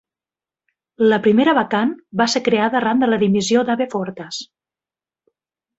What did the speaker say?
La primera vacant va ser creada arran de la dimissió d'Abe Fortas.